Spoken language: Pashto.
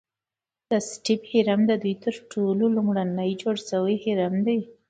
د سټیپ هرم ددوی تر ټولو لومړنی جوړ شوی هرم دی.